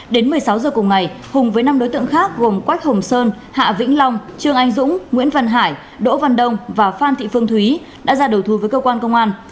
đến một mươi sáu giờ cùng ngày hùng với năm đối tượng khác gồm quách hồng sơn hạ vĩnh long trương anh dũng nguyễn văn hải đỗ văn đông và phan thị phương thúy đã ra đầu thú với cơ quan công an